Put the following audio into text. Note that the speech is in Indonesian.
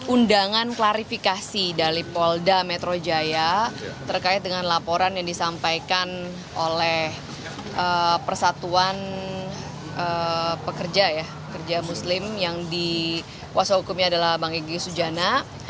undangan klarifikasi dari polda metro jaya terkait dengan laporan yang disampaikan oleh persatuan pekerja ya pekerja muslim yang dikuasa hukumnya adalah bang egy sujana